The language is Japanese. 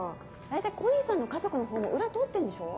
大体小西さんの家族の方も裏取ってんでしょ？